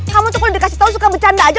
kamu tuh kalau dikasih tau suka bercanda aja